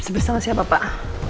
bersama siapa pak